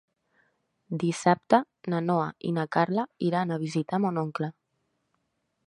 Dissabte na Noa i na Carla iran a visitar mon oncle.